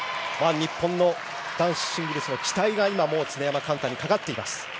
日本の男子シングルスの期待が常山幹太にかかっています。